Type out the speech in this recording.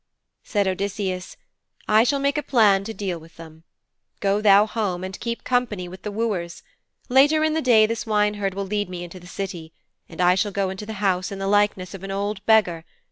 Said Odysseus, 'I shall make a plan to deal with them. Go thou home, and keep company with the wooers. Later in the day the swineherd will lead me into the city, and I shall go into the house in the likeness of an old beggar.